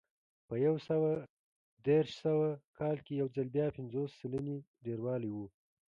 په یو سوه دېرش سوه کال کې یو ځل بیا پنځوس سلنې ډېروالی و